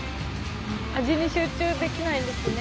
味に集中できないですね。